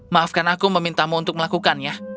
maafkan aku memintamu untuk melakukannya